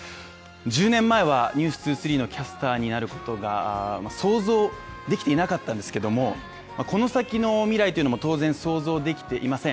１０年前は「ｎｅｗｓ２３」のキャスターになることが想像できていなかったんですけれどもこの先の未来というのも当然、想像できていません。